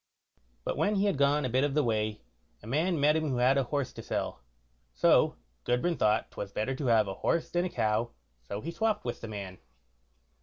But when he had gone a bit of the way, a man met him who had a horse to sell, so Gudbrand thought 'twas better to have a horse than a cow, so he swopped with the man.